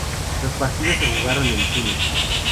Los partidos se jugaron en Túnez.